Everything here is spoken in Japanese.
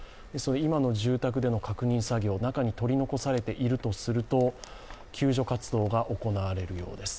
今の住宅での確認作業中に取り残されているとすると、救助活動が行われるようです。